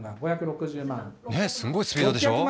すんごいスピードでしょ？